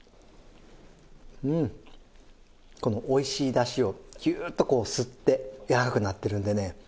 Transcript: うんこのおいしいだしをギューッとこう吸ってやわらかくなってるんでね